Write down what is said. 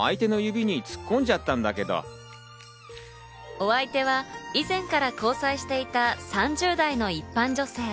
お相手は以前から交際していた３０代の一般女性。